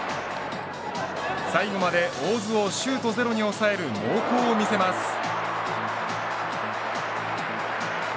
最後まで大津をシュートゼロに抑える猛攻を見せます。